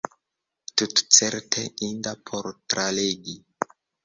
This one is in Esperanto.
Tutcerte inda por tralegi.